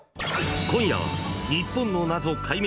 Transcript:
今夜は日本の謎解明